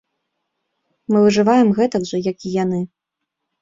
Мы выжываем гэтак жа, як і яны.